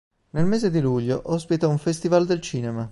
Nel mese di luglio ospita un Festival del Cinema.